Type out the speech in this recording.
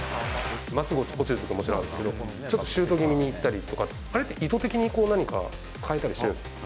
まっすぐ落ちるということもあるんですけど、ちょっとシュート気味にいったりとか、あれって意図的に何か、変えたりしてるんですか？